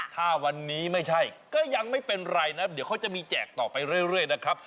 ถ้าวันนี้ไม่ใช่ก็ยังไม่เป็นไรนะเดี๋ยวเขาจะมีแจกต่อไปเรื่อยนะครับ